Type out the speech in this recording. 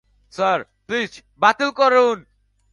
Sir, please বাতিল করুন।